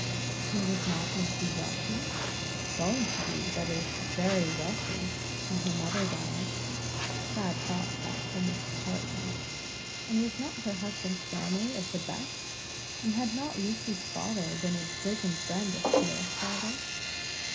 And was not Lucy wealthy? going to be, that is, very wealthy when her mother died; (sad thought that for Mrs. Tartan) and was not her husband's family of the best; and had not Lucy's father been a bosom friend of Pierre's father?